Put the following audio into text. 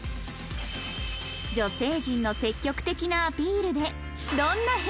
女性陣の積極的なアピールで